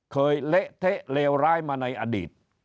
เละเทะเลวร้ายมาในอดีต